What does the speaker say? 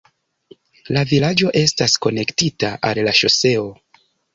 La vilaĝo estas konektita al la ŝoseo.